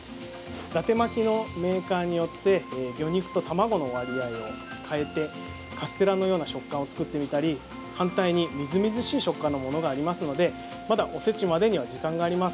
だて巻きのメーカーによって魚肉と卵の割合を変えてカステラのような食感を作ってみたり反対にみずみずしい食感のものがありますのでまだ、おせちまでには時間があります。